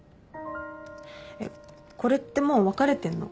えっこれってもう別れてんの？